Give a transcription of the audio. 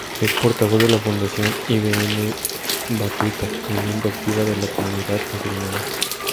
Es portavoz de la Fundación Ibn Battuta y miembro activa de la comunidad musulmana.